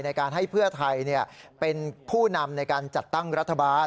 ในการให้เพื่อไทยเป็นผู้นำในการจัดตั้งรัฐบาล